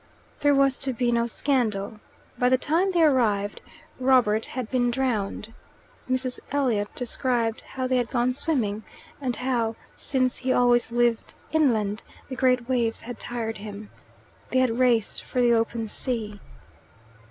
There was to be no scandal. By the time they arrived Robert had been drowned. Mrs. Elliot described how they had gone swimming, and how, "since he always lived inland," the great waves had tired him. They had raced for the open sea.